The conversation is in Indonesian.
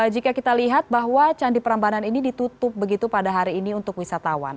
jika kita lihat bahwa candi prambanan ini ditutup begitu pada hari ini untuk wisatawan